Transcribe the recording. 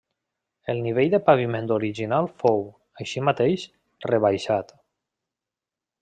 El nivell de paviment original fou, així mateix, rebaixat.